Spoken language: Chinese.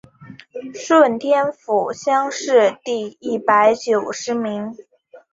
顺天府乡试第一百十九名。